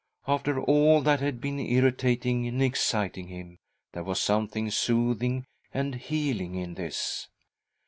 After all that had been irritating and exciting him, there was something soothing and healing in this.